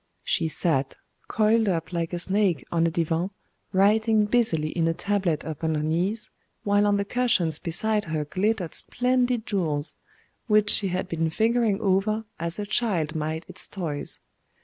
She sat, coiled up like a snake on a divan writing busily in a tablet upon her knees while on the cushions beside her glittered splendid jewels, which she had been fingering over as a child might its toys.